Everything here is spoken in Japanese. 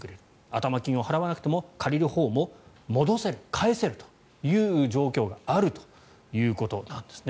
頭金を払わなくても借りるほうも返せるという状況があるということです。